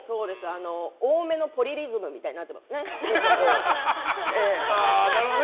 多めの「ポリリズム」みたいになってますね。